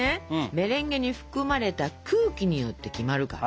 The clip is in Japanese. メレンゲに含まれた空気によって決まるから。